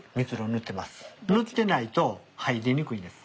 塗ってないと入りにくいんです。